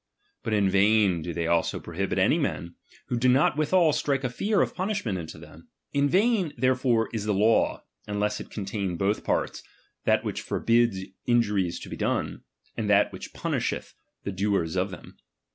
Bat in vain "~ do they also prohibit any men, who do not withal strike a fear of punishment into them. In vain therefore is the law, nnless it contain both parts, that which forbids injuries to be done, and that Vihirh punisheth the doers of them.